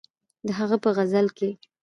د هغه په غزل کښې